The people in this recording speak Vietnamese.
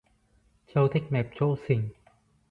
Trâu thích mẹp chỗ sình